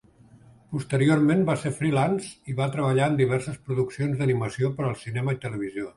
Posteriorment va ser freelance i va treballar en diverses produccions d'animació per a cinema i televisió.